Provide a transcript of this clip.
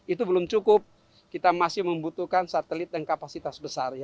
itu belum cukup kita masih membutuhkan satelit yang kapasitas besar